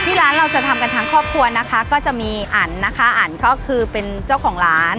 ร้านเราจะทำกันทั้งครอบครัวนะคะก็จะมีอันนะคะอันก็คือเป็นเจ้าของร้าน